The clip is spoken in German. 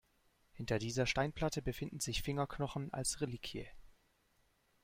Hinter dieser Steinplatte befinden sich Fingerknochen als Reliquie.